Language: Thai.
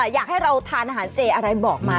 อยากให้เราทานอาหารเจอะไรบอกมา